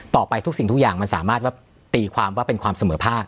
ต่อไปทุกสิ่งทุกอย่างมันสามารถตีความว่าเป็นความเสมอภาค